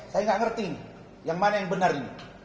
saya nggak ngerti yang mana yang benar ini